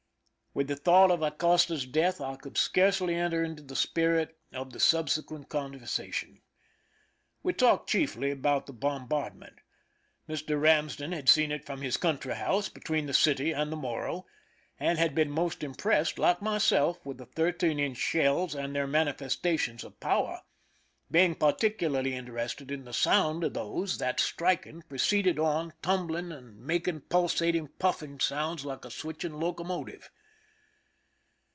With the thought of Acosta's death, I could scarcely enter into the spirit of the subse quent conversation. We talked chiefly about the bombardment. Mr, Ramsden had seen it from his country house, between the city and the Morro, and had been most impressed, like myseK, with the thirteen inch shells and their manifestations of power, being particularly interested in the sound of those that, striking, proceeded on, tumbling, 227 THE SINKING OF THE "MEEEIMAC" and making pulsating, puffing sounds like a switching loconaotive.